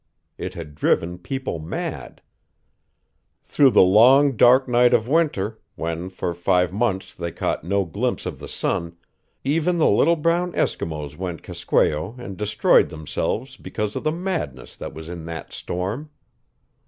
It had driven people mad. Through the long dark night of winter, when for five months they caught no glimpse of the sun, even the little brown Eskimos went keskwao and destroyed themselves because of the madness that was in that storm.